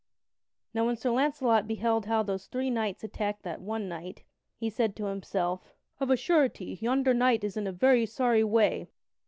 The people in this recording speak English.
Now when Sir Launcelot beheld how those three knights attacked that one knight, he said to himself: "Of a surety, yonder knight is in a very sorry way.